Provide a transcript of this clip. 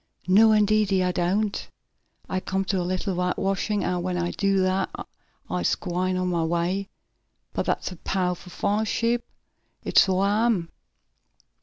"No indeedy I doant! I come t' do a little whitewashin' an' when I do dat I'se gwine on mah way. But dat's a pow'ful fine ship; it suah am!"